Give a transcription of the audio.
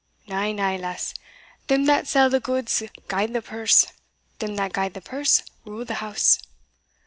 Na, na, lass! them that sell the goods guide the purse them that guide the purse rule the house.